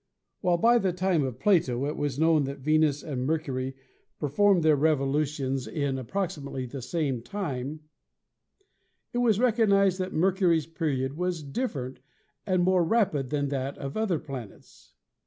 'While by the time of Plato it was known that Venus and Mercury performed their revolution in approximately the same time, it was recognised that Mercury's period was different and more rapid than that of other planets.